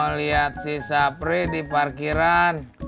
mau lihat si sapri di parkiran